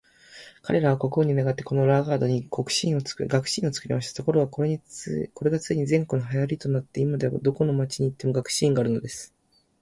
彼等は国王に願って、このラガードに学士院を作りました。ところが、これがついに全国の流行となって、今では、どこの町に行っても学士院があるのです。